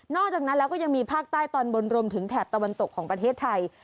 อกจากนั้นแล้วก็ยังมีภาคใต้ตอนบนรวมถึงแถบตะวันตกของประเทศไทย